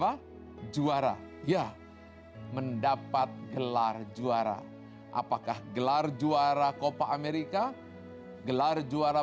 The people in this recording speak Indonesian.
apa juara ya mendapat gelar juara apakah gelar juara copa amerika gelar juara